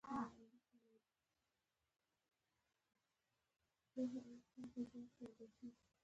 کال کې څو فیص ده د سپما منصوبه لرئ؟